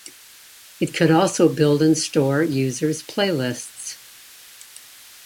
It could also build and store users' playlists.